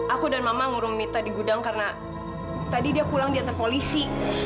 aku dan mama ngurung mita di gudang karena tadi dia pulang diantar polisi